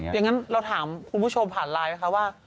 อย่างนั้นเราถามคุณผู้ชมผ่านไลน์ไหมคะว่า